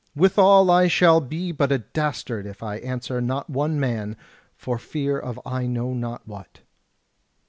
Withal I shall be but a dastard if I answer not one man, for fear of I know not what."